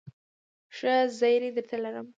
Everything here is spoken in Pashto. ښه زېری درته لرم ..